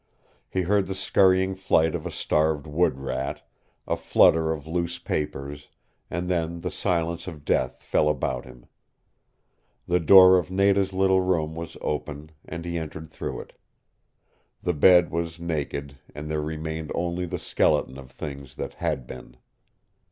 He heard the scurrying flight of a starved wood rat, a flutter of loose papers, and then the silence of death fell about him. The door of Nada's little room was open and he entered through it. The bed was naked and there remained only the skeleton of things that had been.